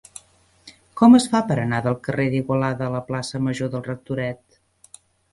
Com es fa per anar del carrer d'Igualada a la plaça Major del Rectoret?